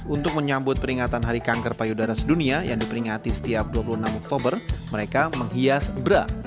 untuk menyambut peringatan hari kanker payudara sedunia yang diperingati setiap dua puluh enam oktober mereka menghias bra